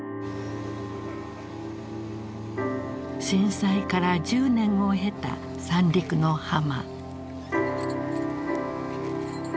震災から１０年を経た三陸の浜。